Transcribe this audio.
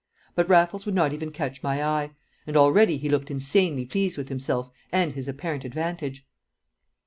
But Raffles would not even catch my eye. And already he looked insanely pleased with himself and his apparent advantage.